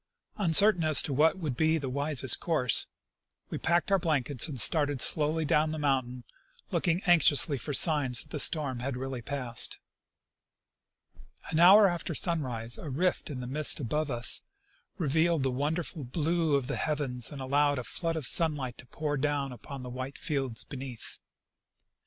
Uncer tain as to what would be the wisest course, we packed our blankets and started slowly down the mountain, looking anx iously for signs that the storm had really passed. An hour after sunrise a rift in the mist above us revealed the wonderful blue of the heavens, and allowed a flood of sunlight to jjour down upon the white fields beneath.